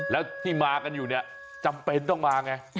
แล้วที่มากันอยู่เนี่ยจำเป็นต้องมาไง